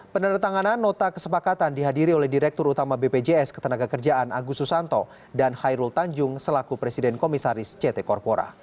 penandatanganan nota kesepakatan dihadiri oleh direktur utama bpjs ketenagakerjaan agus susanto dan khairul tanjung selaku presiden komisaris ct corpora